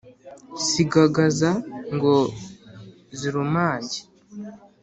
sigagaza ngo zirumange